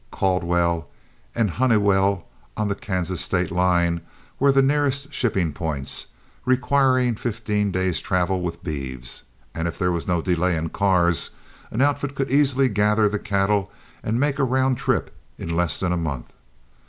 Caldwell and Hunnewell, on the Kansas state line were the nearest shipping points, requiring fifteen days' travel with beeves, and if there was no delay in cars, an outfit could easily gather the cattle and make a round trip in less than a month.